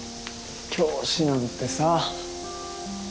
教師なんてさ。